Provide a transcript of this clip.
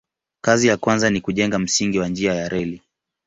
Kazi ya kwanza ni kujenga msingi wa njia ya reli.